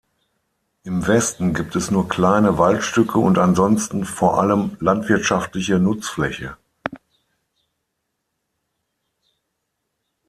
Im Westen gibt es nur kleine Waldstücke und ansonsten vor allem landwirtschaftliche Nutzfläche.